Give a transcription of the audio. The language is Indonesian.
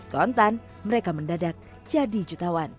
kontan mereka mendadak jadi jutawan